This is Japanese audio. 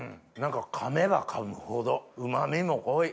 噛めば噛むほどうま味も濃い。